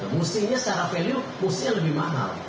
mestinya secara value mestinya lebih mahal